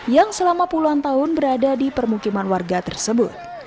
yang selama puluhan tahun berada di permukiman warga tersebut